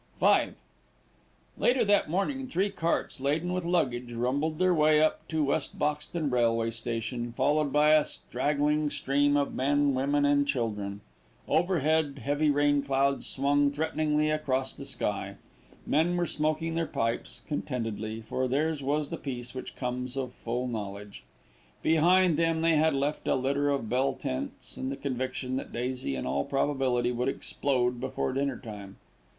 V Later that morning three carts, laden with luggage, rumbled their way up to West Boxton railway station, followed by a straggling stream of men, women, and children. Overhead heavy rainclouds swung threateningly across the sky. Men were smoking their pipes contentedly, for theirs was the peace which comes of full knowledge. Behind them they had left a litter of bell tents and the conviction that Daisy in all probability would explode before dinner time.